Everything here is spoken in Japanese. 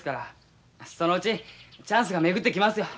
そのうちチャンスが巡ってきますよ。